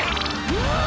うわ！